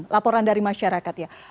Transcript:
laporan dari masyarakat ya